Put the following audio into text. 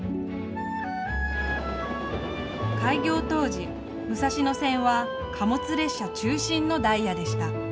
開業当時、武蔵野線は貨物列車中心のダイヤでした。